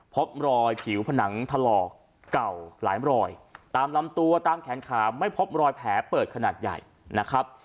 พบรอยผิวผนังถลอกเก่าหลายรอยตามลำตัวตามแขนขาไม่พบรอยแผลเปิดขนาดใหญ่นะครับ